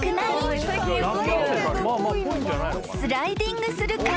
［スライディングする亀］